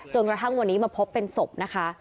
กระทั่งวันนี้มาพบเป็นศพนะคะ